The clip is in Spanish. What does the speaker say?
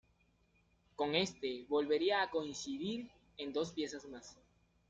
Con este volvería a coincidir en dos piezas más.